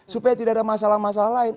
supaya tidak ada masalah masalah lain